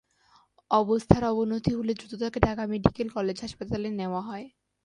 অবস্থার অবনতি হলে দ্রুত তাকে ঢাকা মেডিকেল কলেজ হাসপাতালে নেওয়া হয়।